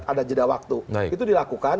ada jeda waktu itu dilakukan